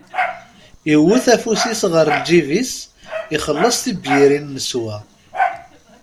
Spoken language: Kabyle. Iwwet afus-is ɣer lǧib-is, ixelles tibyirin neswa.